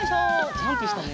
ジャンプしたね。